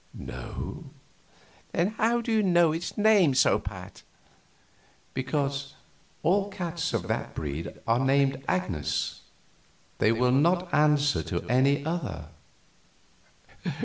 "No." "Then how did you know its name so pat?" "Because all cats of that breed are named Agnes; they will not answer to any other."